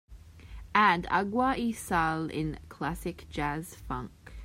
add agua y sal in Classic Jazz Funk